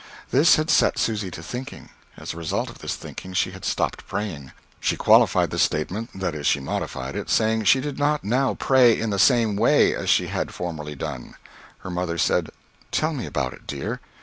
This had set Susy to thinking. As a result of this thinking, she had stopped praying. She qualified this statement that is, she modified it saying she did not now pray "in the same way" as she had formerly done. Her mother said: "Tell me about it, dear."